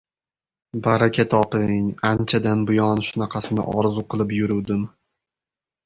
— Baraka toping, anchadan buyon shunaqasini orzu qilib yuruvdim.